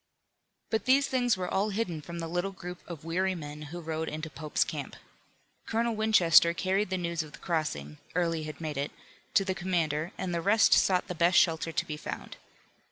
But these things were all hidden from the little group of weary men who rode into Pope's camp. Colonel Winchester carried the news of the crossing Early had made it to the commander, and the rest sought the best shelter to be found.